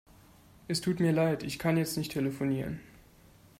Es tut mir leid. Ich kann jetzt nicht telefonieren.